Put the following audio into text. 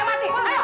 buat taruhan nyawa